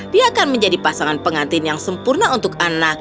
dia akan menjadi pasangan pengantin yang baik